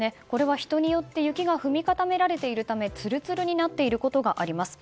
人によって雪が踏み固められているためツルツルになっていることがあります。